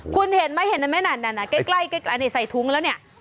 คุณเห็นไหมใกล้ใส่ทุ้งแล้วเนี่ย